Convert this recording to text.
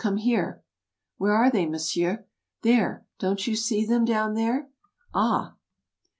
come here!" "Where are they, monsieur?" "There — don't you see them down there?" "Ah!